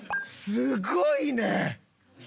すごいね！